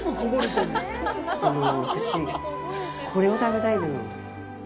私、これを食べたいのよ。